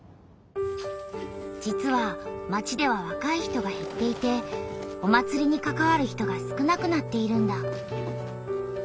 実は町ではわかい人がへっていてお祭りにかかわる人が少なくなっているんだ。